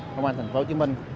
công an thành phố hồ chí minh